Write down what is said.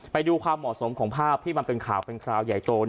ไปดูความเหมาะสมของภาพที่มันเป็นข่าวเป็นคราวใหญ่โต